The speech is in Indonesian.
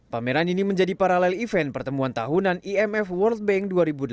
pameran ini menjadi paralel event pertemuan tahunan imf world bank dua ribu delapan belas